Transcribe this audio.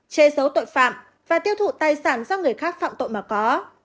chê xấu tội phạm và tiêu thụ tài sản do người khác phạm tội mà có